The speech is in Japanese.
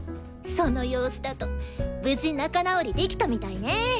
その様子だと無事仲直りできたみたいね。